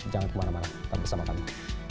jangan kemana mana tetap bersama kami